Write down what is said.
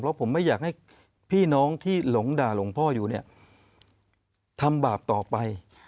เพราะผมไม่อยากให้พี่น้องที่หลงด่าหลวงพ่ออยู่เนี่ยทำบาปต่อไป